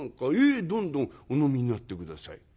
「ええどんどんお飲みになって下さい」。